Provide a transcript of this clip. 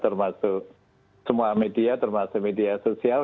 termasuk semua media termasuk media sosial